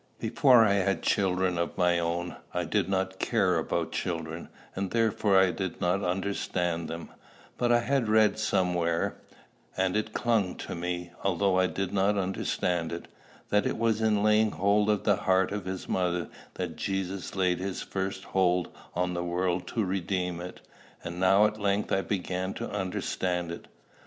Before I had children of my own, I did not care about children, and therefore did not understand them; but I had read somewhere, and it clung to me although I did not understand it, that it was in laying hold of the heart of his mother that Jesus laid his first hold on the world to redeem it; and now at length I began to understand it.